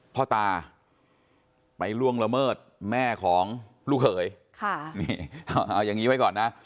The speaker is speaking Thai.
พ่อตาไปล่วงละเมิดแม่ของลูกเขยค่ะนี่เอาอย่างนี้ไว้ก่อนนะ